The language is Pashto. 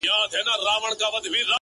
چي يو ځل بيا څوک په واه ـواه سي راته ـ